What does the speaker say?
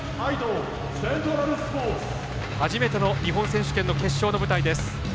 初めての日本選手権の決勝の舞台です。